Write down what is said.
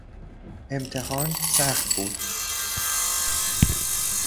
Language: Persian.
امتحان سخت بود.